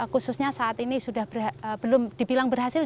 khususnya saat ini belum dibilang berhasil